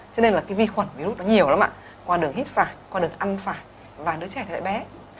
cho nên là cái vi khuẩn virus nó nhiều lắm ạ qua đường hít phải qua đường ăn phải và đứa trẻ lại bé